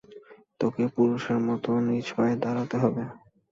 তোকে পুরুষের মতো নিজ পায়ে দাঁড়াতে হবে।